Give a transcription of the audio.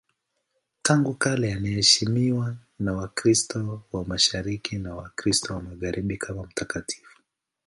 Tangu kale anaheshimiwa na Ukristo wa Mashariki na Ukristo wa Magharibi kama mtakatifu.